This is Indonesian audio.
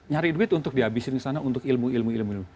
nyari duit untuk dihabisin ke sana untuk ilmu ilmu